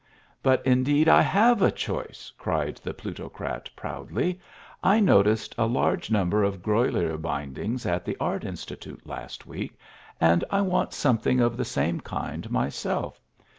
"But indeed I HAVE a choice," cried the plutocrat, proudly. "I noticed a large number of Grolier bindings at the Art Institute last week, and I want something of the same kind myself.